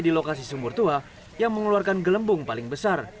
di lokasi sumur tua yang mengeluarkan gelembung paling besar